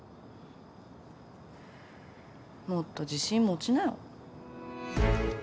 もっと自信持ちなよ。